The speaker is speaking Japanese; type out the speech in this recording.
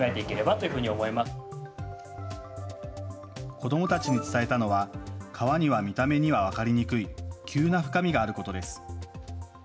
子どもたちに伝えたのは川には見た目には分かりにくい急な深みがあることです。